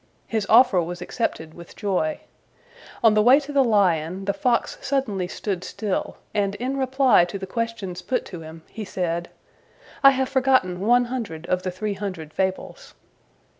His offer was accepted with joy. On the way to the lion, the fox suddenly stood still, and in reply to the questions put to him, he said, "I have forgotten one hundred of the three hundred fables."